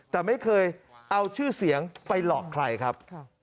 แต่ไม่เคยเอาชื่อเสียงไปหลอกใครครับ